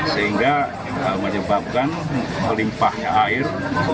sehingga menyebabkan melimpahnya air